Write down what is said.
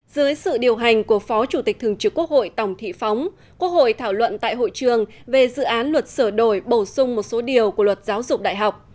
dưới sự điều hành của phó chủ tịch thường trực quốc hội tổng thị phóng quốc hội thảo luận tại hội trường về dự án luật sửa đổi bổ sung một số điều của luật giáo dục đại học